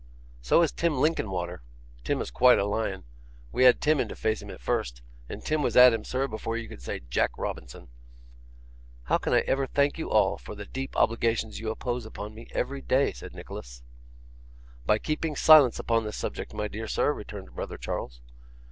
So is Tim Linkinwater; Tim is quite a lion. We had Tim in to face him at first, and Tim was at him, sir, before you could say "Jack Robinson."' 'How can I ever thank you for all the deep obligations you impose upon me every day?' said Nicholas. 'By keeping silence upon the subject, my dear sir,' returned brother Charles.